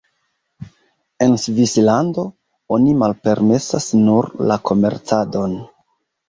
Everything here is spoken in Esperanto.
En Svislando, oni malpermesas nur la komercadon.